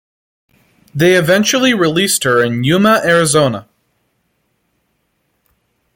They eventually released her in Yuma, Arizona.